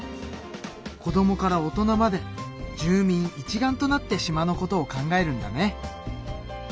子どもから大人まで住民一丸となって島のことを考えるんだね。